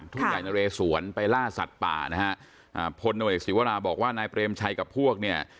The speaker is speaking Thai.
ทุ่งใหญ่นะเรสวนไปล่าสัตว์ป่านะฮะอ่าพลโนเอกศิวราบอกว่านายเปรมชัยกับพวกเนี่ย